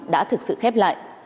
đã thực sự khép lại